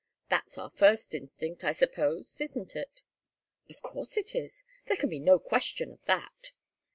That's our first instinct, I suppose. Isn't it?" "Of course it is. There can be no question of that."